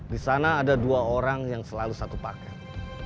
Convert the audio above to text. di sana ada dua orang yang selalu satu paket